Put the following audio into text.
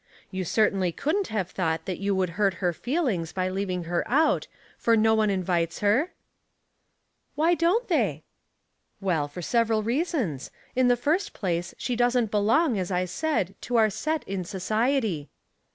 You certainl}^ couldn't havt thought that you would hurt her feelings by leaving her out, foi no one invites her ?" "Why don't they?" " Well, for several reasons. In the first place, she doesn't belong, as I said, to our set in so ciety."